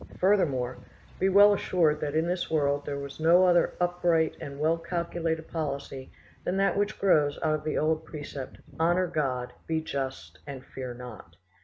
Furthermore, be well assured that in this world there is no other upright and well calculated policy than that which grows out of the old precept, 'Honour God, be just and fear not.